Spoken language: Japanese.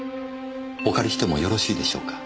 お借りしてもよろしいでしょうか。